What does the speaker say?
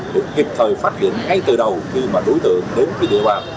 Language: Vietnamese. được kịp thời phát hiện ngay từ đầu khi mà đối tượng đến với địa bàn